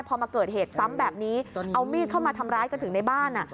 พอมาเกิดเหตุซ้ำแบบนี้เอามีดเข้ามาทำร้ายจนถึงในบ้าน